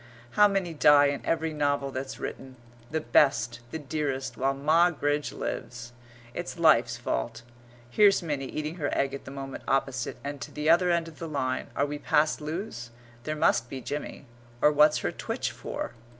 How many die in every novel that's written the best, the dearest, while Moggridge lives. It's life's fault. Here's Minnie eating her egg at the moment opposite and at t'other end of the line are we past Lewes? there must be Jimmy or what's her twitch for?